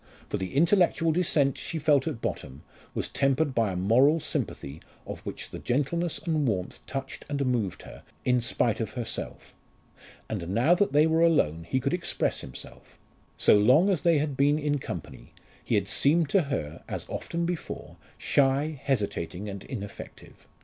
For the intellectual dissent she felt at bottom was tempered by a moral sympathy of which the gentleness and warmth touched and moved her in spite of herself. And now that they were alone he could express himself. So long as they had been in company he had seemed to her, as often before, shy, hesitating, and ineffective.